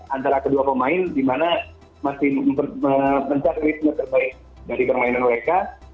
antara kedua pemain dimana masih mencapai risiko terbaik dari permainan mereka